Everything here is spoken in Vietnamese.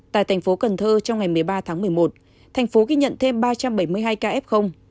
tại thành phố cần thơ trong ngày một mươi ba tháng một mươi một thành phố ghi nhận thêm ba trăm bảy mươi hai ca f